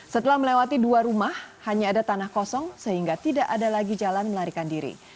setelah melewati dua rumah hanya ada tanah kosong sehingga tidak ada lagi jalan melarikan diri